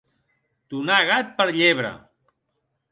Donar gat per llebre.